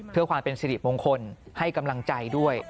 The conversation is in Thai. เพื่อความเป็นสิริมงคลให้กำลังใจด้วย